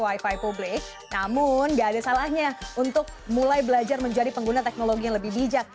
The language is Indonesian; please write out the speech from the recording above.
nah kalau anda mau beli namun gak ada salahnya untuk mulai belajar menjadi pengguna teknologi yang lebih bijak